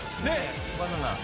バナナ。